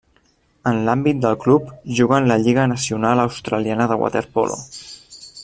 En l'àmbit del club, juga en la Lliga Nacional Australiana de Waterpolo.